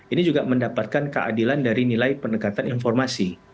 ini juga mendapatkan keadilan dari nilai pendekatan informasi